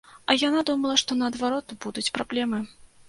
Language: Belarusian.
А яна думала, што, наадварот, будуць праблемы.